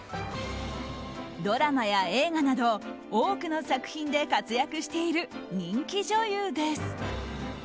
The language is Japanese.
ドラマや映画など多くの作品で活躍している人気女優です。